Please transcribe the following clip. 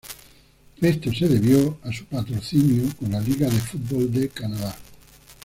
Esto se debió a su patrocinio con la Liga de Fútbol de Canadá.